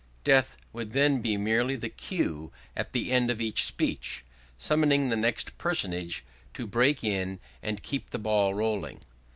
Death would then be merely the cue at the end of each speech, summoning the next personage to break in and keep the ball rolling.